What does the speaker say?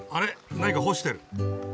何か干してる。